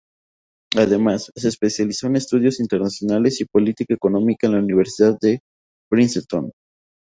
Además, se especializó en Estudios Internacionales y Política Económica en la Universidad de Princeton.